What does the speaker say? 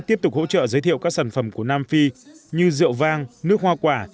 tiếp tục hỗ trợ giới thiệu các sản phẩm của nam phi như rượu vang nước hoa quả